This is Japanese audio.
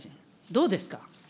どうですか。